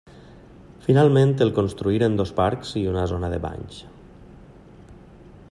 Finalment el constituïren dos parcs i una zona de banys.